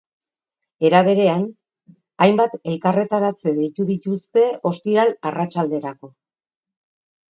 Era berean, hainbat elkarretaratze deitu dituzte ostiral arratsalderako.